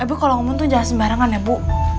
eh bu kalo ngomong tuh jangan sembarangan ya bu